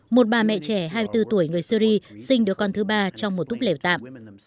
một bà mẹ trẻ hai mươi bốn tuổi người syri sinh đứa con thứ ba trong một túp lều tạm